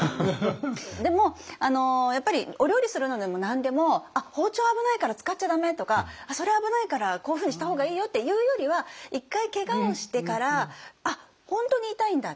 でもお料理するのでも何でも「あっ包丁危ないから使っちゃ駄目」とか「それ危ないからこういうふうにした方がいいよ」って言うよりは一回けがをしてからあっ本当に痛いんだ